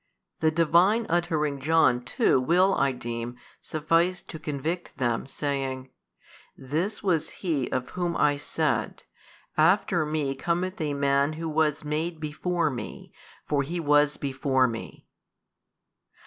The Divine uttering John too will I deem suffice to convict them saying, This was He of Whom I said, After me cometh a Man Who was made before me, for He was before me.